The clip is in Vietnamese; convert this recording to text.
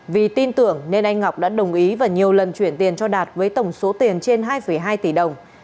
vì tin tưởng nên anh ngọc đã đồng ý và nhiều lần chuyển tiền cho đạt với tổng số tiền trên hai hai tỷ đồng